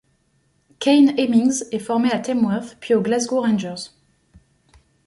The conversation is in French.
Kane Hemmings est formé à Tamworth puis aux Glasgow Rangers.